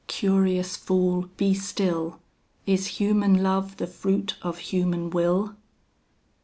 Curious fool, be still! Is human love the fruit of human will?